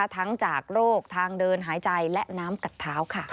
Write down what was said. ทั้งจากโรคทางเดินหายใจและน้ำกัดเท้าค่ะ